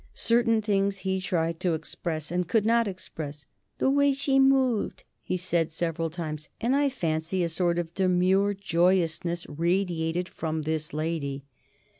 Certain things he tried to express and could not express; "the way she moved," he said several times; and I fancy a sort of demure joyousness radiated from this Lady.